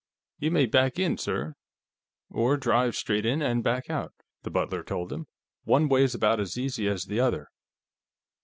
"You may back in, sir, or drive straight in and back out," the butler told him. "One way's about as easy as the other."